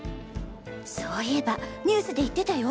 そういえばニュースで言ってたよ！